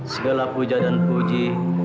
segala puja dan puji